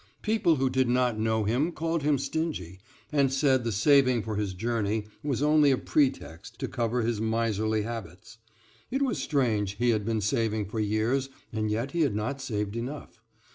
People who did not know him called him stingy, and said the saving for his journey was only a pretext to cover his miserly habits. It was strange, he had been saving for years, and yet he had not saved enough.